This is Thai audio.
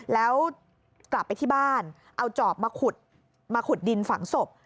แล้วกลับไปที่บ้านเอาจอบมาขุดมาขุดดินฝังศพ